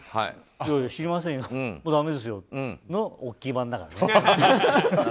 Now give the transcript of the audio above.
いやいや、知りませんよだめですよって、それの大きい版だからね。